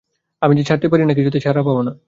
আমি যে ছাড়তে না পারলে কিছুতেই ছাড়া পাব না।